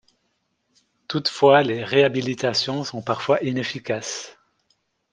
Toutefois, les réhabilitations sont parfois inefficaces.